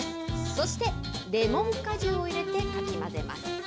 そしてレモン果汁を入れてかき混ぜます。